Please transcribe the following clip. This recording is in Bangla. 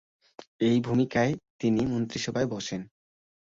এই ভূমিকায় তিনি মন্ত্রিসভায় বসেন।